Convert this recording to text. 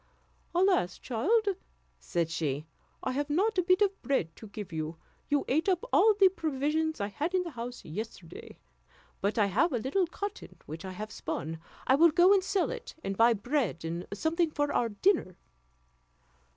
"Alas! child," said she, "I have not a bit of bread to give you; you ate up all the provisions I had in the house yesterday; but I have a little cotton which I have spun; I will go and sell it, and buy bread and something for our dinner."